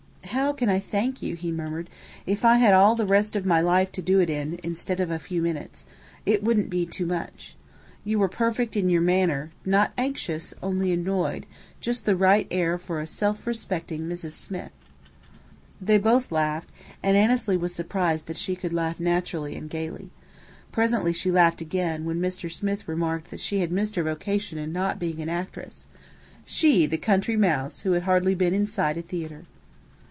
"How can I thank you?" he murmured. "If I had all the rest of my life to do it in, instead of a few minutes, it wouldn't be too much. You were perfect in your manner, not anxious, only annoyed; just the right air for a self respecting Mrs. Smith." They both laughed, and Annesley was surprised that she could laugh naturally and gaily. Presently she laughed again, when Mr. Smith remarked that she had missed her vocation in not being an actress she, the country mouse, who had hardly been inside a theatre.